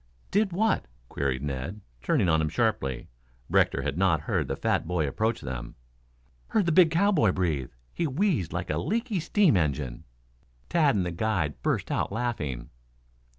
"Did what?" queried Ned, turning on him sharply. Rector had not heard the fat boy approach them. "Heard the big cowboy breathe. He wheezed like a leaky steam engine." Tad and the guide burst out laughing.